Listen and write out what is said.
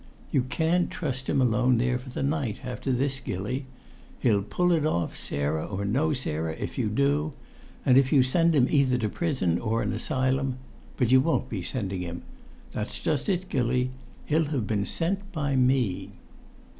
"You can't trust him alone there for the night, after this, Gilly! He'll pull it off, Sarah or no Sarah, if you do. And if you send him either to prison or an asylum but you won't be sending him! That's just it, Gilly. He'll have been sent by me!"